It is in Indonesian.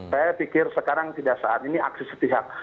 saya pikir sekarang tidak saat ini aksi setihak